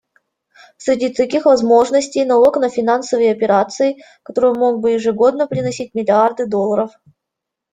Среди таких возможностей налог на финансовые операции, который мог бы ежегодно приносить миллиарды долларов.